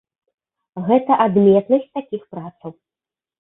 Гэта адметнасць такіх працаў.